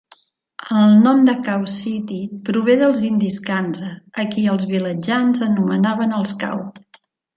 El nom de Kaw City prové dels indis Kanza, a qui els vilatjans anomenaven "els Kaw".